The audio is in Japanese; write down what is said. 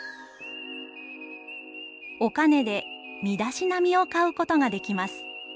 「お金で身だしなみを買うことができます。